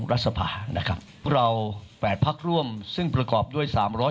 รัฐสภานะครับพวกเราแปดพักร่วมซึ่งประกอบด้วยสามร้อย